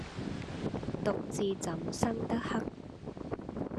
獨自怎生得黑！